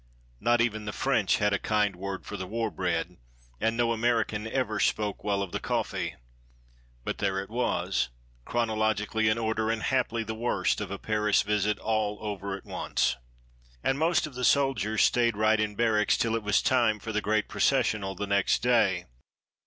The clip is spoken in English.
Not even the French had a kind word for the war bread, and no American ever spoke well of the coffee. But there it was chronologically in order, and haply the worst of a Paris visit all over at once. And most of the soldiers stayed right in barracks till it was time for the great processional the next day.